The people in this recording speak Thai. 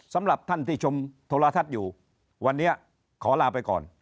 สำหรับท่านที่ชมโทรทัศน์อยู่วันนี้ขอลาไปก่อน